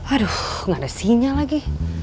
aduh gak ada sinyal lagi